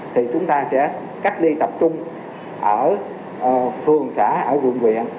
thì chúng ta sẽ cách ly tập trung ở phường xã vườn huyện